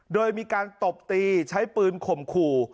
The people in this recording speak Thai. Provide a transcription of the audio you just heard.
โดยมีการตบตีใช้ปืนข่มขู่